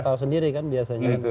tahu sendiri kan biasanya